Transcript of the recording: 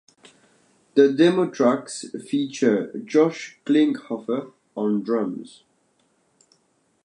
The demo tracks feature Josh Klinghoffer on drums.